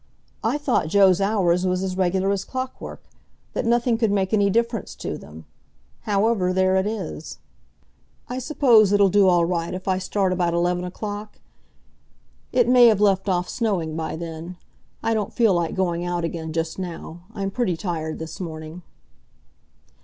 "I thought Joe's hours was as regular as clockwork—that nothing could make any difference to them. However, there it is. I suppose it'll do all right if I start about eleven o'clock? It may have left off snowing by then. I don't feel like going out again just now. I'm pretty tired this morning."